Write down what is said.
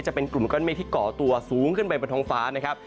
จะเป็นกลุ่มก้อนเมฆที่ก่อตัวสูงขึ้นไปบนท้องฟ้านะครับ